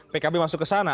pkb masuk ke sana